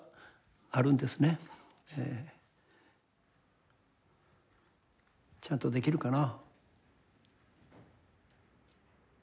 ええ。ちゃんとできるかな。